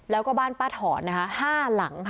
แล้วก็บ้านป้าถอน๕หลัง